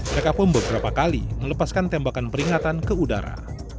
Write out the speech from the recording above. mereka pun beberapa kali melepaskan tembakan peringatan ke udara